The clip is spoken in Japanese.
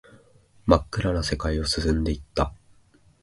真っ暗な世界を進んでいった